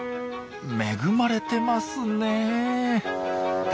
恵まれてますね。